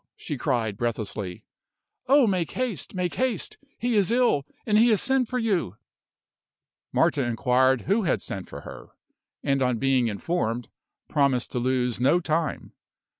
she cried, breathlessly. "Oh, make haste, make haste! He is ill, and he has sent for you!" Marta inquired who had sent for her, and on being informed, promised to lose no time.